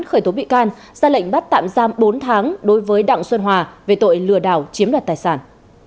khởi tố bị can ra lệnh bắt tạm giam bốn tháng đối với đặng xuân hòa về tội lừa đảo chiếm đoạt tài sản